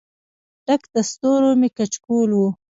ډک د ستورو مې کچکول و